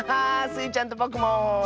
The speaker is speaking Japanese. スイちゃんとぼくも。